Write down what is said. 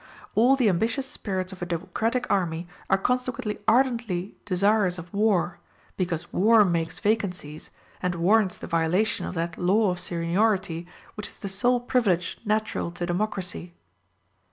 All the ambitious spirits of a democratic army are consequently ardently desirous of war, because war makes vacancies, and warrants the violation of that law of seniority which is the sole privilege natural to democracy.